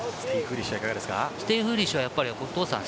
ステイフーリッシュはいかがですか？